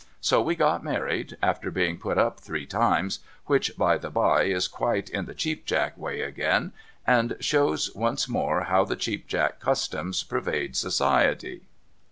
So we got married, after being put up three times — which, by the bye, is quite in the Cheap Jack way again, and shows once more how the Cheap Jack customs pervade society.